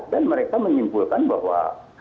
dan mereka menyimpulkan bahwa